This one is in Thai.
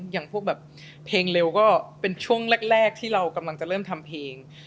อย่างพวกแบบเพลงเร็วก็เป็นช่วงแรกที่เรากำลังจะเริ่มทำเพลง